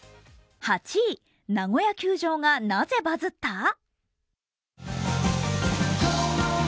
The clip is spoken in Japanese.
８位、ナゴヤ球場がなぜバズった？